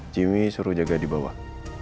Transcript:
jimmy suruh jaga di bawah